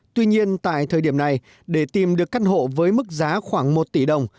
tuy nhiên tại thời điểm này để tìm được căn hộ với mức giá khoảng một tỷ đồng